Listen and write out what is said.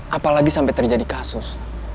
apalagi sampai terjadi kasus